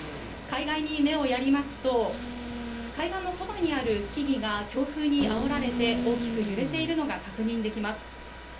海岸に目をやりますと海岸のそばにある木々が強風にあおられて大きく揺れているのが確認できます。